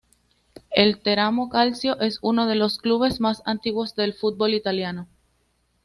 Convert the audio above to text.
El Teramo Calcio es uno de los clubes más antiguos del fútbol italiano.